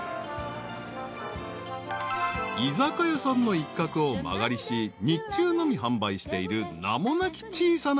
［居酒屋さんの一角を間借りし日中のみ販売している］